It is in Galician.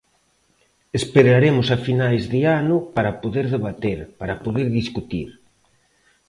Esperaremos a finais de ano para poder debater, para poder discutir.